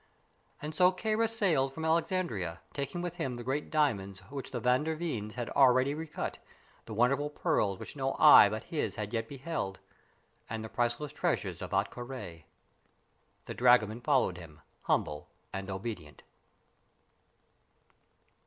And so Kāra sailed from Alexandria, taking with him the great diamonds which the Van der Veens had already recut, the wonderful pearls which no eye but his had yet beheld, and the priceless treasures of Ahtka Rā. The dragoman followed him, humble and obedient.